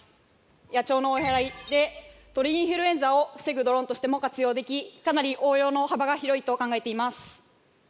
野鳥の追い払いで鳥インフルエンザを防ぐドローンとしても活用できかなり応用の幅が広いと考えています。